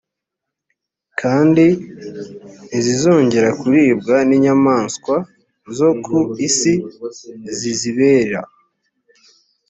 kandi ntizizongera kuribwa n inyamaswa zo ku isi zizibera